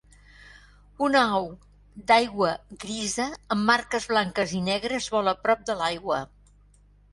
Una au d'aigua grisa amb marques blanques i negres vola prop de l'aigua.